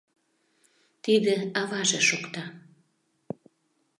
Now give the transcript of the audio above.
Тиде аваже шокта.